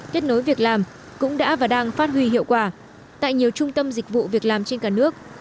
kết nối việc làm cũng đã và đang phát huy hiệu quả tại nhiều trung tâm dịch vụ việc làm trên cả nước